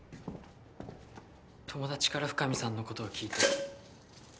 友達から深水さんのことを聞いて。